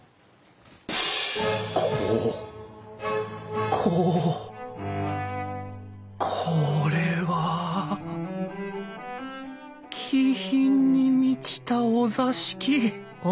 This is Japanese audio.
こここれは気品に満ちたお座敷！